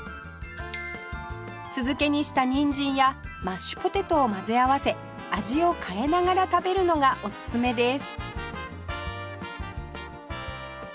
酢漬けにしたニンジンやマッシュポテトを混ぜ合わせ味を変えながら食べるのがおすすめです